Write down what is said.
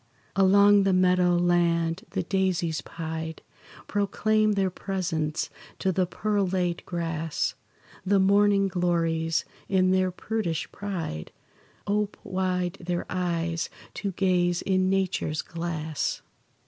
Along the meadow land the daisies pied Proclaim their presence to the pearl laid grass; The morning glories, in their prudish pride, Ope wide their eyes, to gaze in nature's glass.